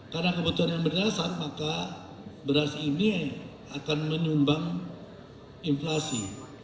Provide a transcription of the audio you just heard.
karena kebutuhan yang berdasar maka beras ini akan menyumbang inflasi